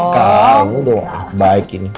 kamu dong baik ini